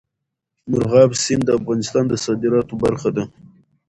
مورغاب سیند د افغانستان د صادراتو برخه ده.